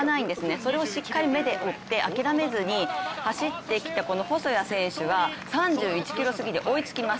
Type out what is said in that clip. それをしっかり目で追って諦めずに走ってきたこの細谷選手が３１ｋｍすぎで追いつきます。